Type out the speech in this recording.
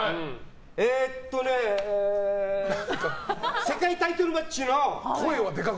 えっとね世界タイトルマッチの！